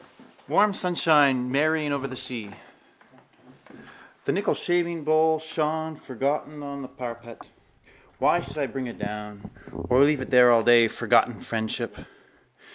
Warm sunshine merrying over the sea. The nickel shavingbowl shone, forgotten, on the parapet. Why should I bring it down? Or leave it there all day, forgotten friendship?